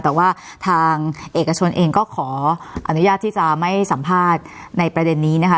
แต่ว่าทางเอกชนเองก็ขออนุญาตที่จะไม่สัมภาษณ์ในประเด็นนี้นะคะ